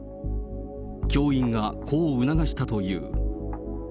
教員がこう促したという。